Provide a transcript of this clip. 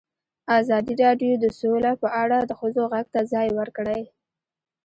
ازادي راډیو د سوله په اړه د ښځو غږ ته ځای ورکړی.